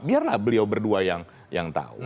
biarlah beliau berdua yang tahu